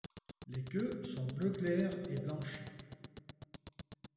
Les queues sont bleu clair et blanches.